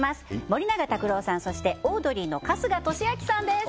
森永卓郎さんそしてオードリーの春日俊彰さんです